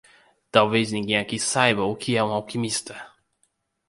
Talvez ninguém aqui saiba o que é um alquimista!